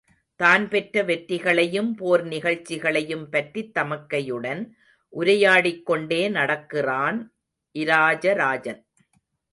தான் பெற்ற வெற்றிகளையும் போர் நிகழ்ச்சிகளையும் பற்றித் தமக்கையுடன் உரையாடிக் கொண்டே நடக்கிறான் இராஜராஜன்.